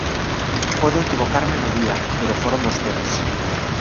Podo equivocarme no día, pero foron vostedes.